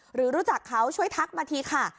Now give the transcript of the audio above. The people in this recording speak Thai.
หรือรู้จักเขาช่วยทักมาทีค่ะ